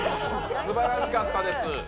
すばらしかったです。